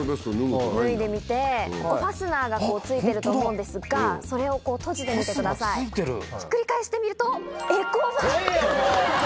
脱いでみてファスナーが付いてると思うんですがそれを閉じてみてくださいひっくり返してみるとエコバッグに！いいよもう！